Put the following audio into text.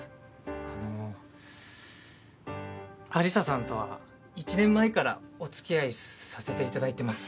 あの有沙さんとは１年前からお付き合いさせていただいてます。